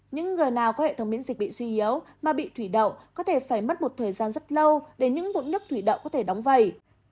những người nào có hệ thống miễn dịch bị suy yếu mà bị thủy đậu có thể phải mất một thời gian rất lâu để những bụng nước thủy đậu có thể đóng vầy